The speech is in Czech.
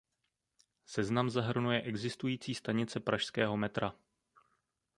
Seznam zahrnuje existující stanice pražského metra.